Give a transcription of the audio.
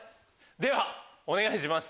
ではお願いします。